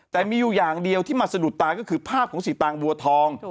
แต่มีอยู่อย่างเดียวที่มาสะดุดตาก็คือภาพของสีตางบัวทอง